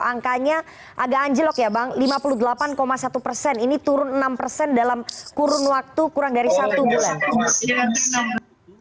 angkanya agak anjlok ya bang lima puluh delapan satu persen ini turun enam persen dalam kurun waktu kurang dari satu bulan